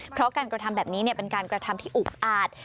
เพราะการกระทำแบบนี้เป็นการกระทำที่อุกอาจ